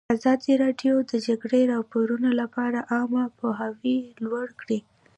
ازادي راډیو د د جګړې راپورونه لپاره عامه پوهاوي لوړ کړی.